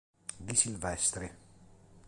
Di Silvestri